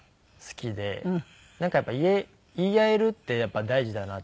なんかやっぱり言い合えるって大事だなって。